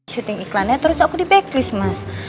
syuting iklannya terus aku di back please mas